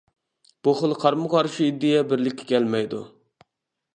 بۇ خىل قارمۇ قارىشى ئىدىيە بىرلىككە كەلمەيدۇ.